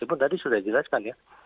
itu tadi sudah dijelaskan ya